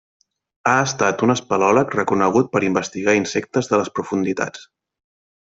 Ha estat un espeleòleg reconegut per investigar insectes de les profunditats.